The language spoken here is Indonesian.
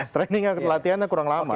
trainingnya latihannya kurang lama